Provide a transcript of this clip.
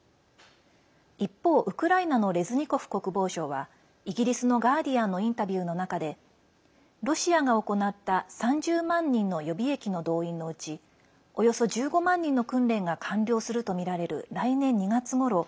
一方、ウクライナのレズニコフ国防相はイギリスのガーディアンのインタビューの中でロシアが行った３０万人の予備役の動員のうちおよそ１５万人の訓練が完了すると見られる来年２月ごろ